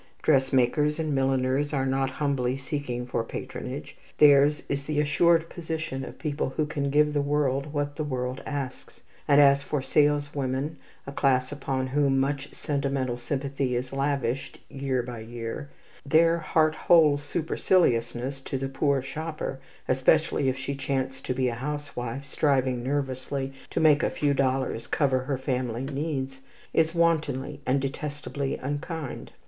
Dressmakers and milliners are not humbly seeking for patronage; theirs is the assured position of people who can give the world what the world asks; and as for saleswomen, a class upon whom much sentimental sympathy is lavished year by year, their heart whole superciliousness to the poor shopper, especially if she chance to be a housewife striving nervously to make a few dollars cover her family needs, is wantonly and detestably unkind.